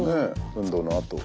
運動のあと。